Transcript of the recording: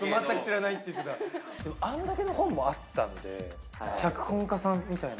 あんだけの本もあったんで、脚本家さんみたいな。